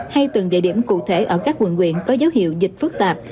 hay từng địa điểm cụ thể ở các quận quyện có dấu hiệu dịch phức tạp